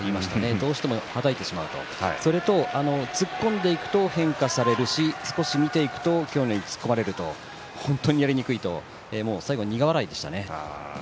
どうしてもはたいてしまうそれと突っ込んでいくと変化されるし見ていくと突っ込まれる本当にやりにくいと最後は苦笑いでした。